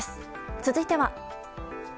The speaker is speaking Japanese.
続いては。